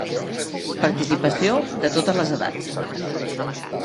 Participació de totes les edats.